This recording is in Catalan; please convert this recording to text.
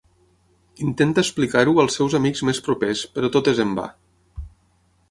Intenta explicar-ho als seus amics més propers però tot és en va.